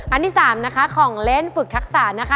อันที่๓นะคะของเล่นฝึกทักษะนะคะ